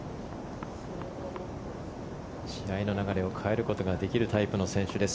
試合の流れを変えることができるタイプの選手です